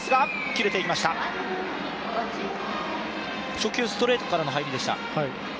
初球、ストレートからの入りでした。